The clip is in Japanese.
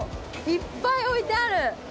いっぱい置いてある。